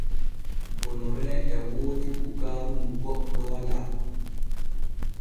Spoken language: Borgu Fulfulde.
Onorin e woodi bukaaru nu goɗɗo walaa.